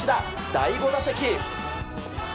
第５打席。